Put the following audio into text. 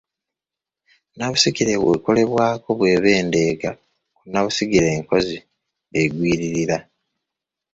nnabusigire ekolebwako bw’eba endeega ku nnabusigire enkozi egwiririra